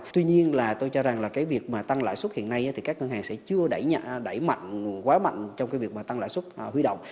tuy nhiên là tôi cho rằng là cái việc mà tăng lãi suất hiện nay thì các ngân hàng sẽ chưa đẩy mạnh quá mạnh trong cái việc mà tăng lãi suất huy động